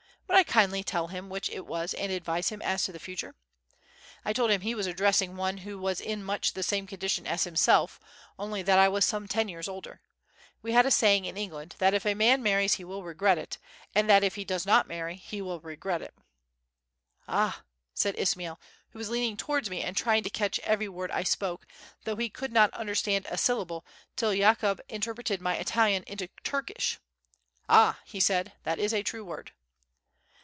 Would I kindly tell him which it was and advise him as to the future? I said he was addressing one who was in much the same condition as himself, only that I was some ten years older. We had a saying in England that if a man marries he will regret it, and that if he does not marry he will regret it. "Ah!" said Ismail, who was leaning towards me and trying to catch every word I spoke, though he could not understand a syllable till Yakoub interpreted my Italian into Turkish. "Ah!" he said, "that is a true word."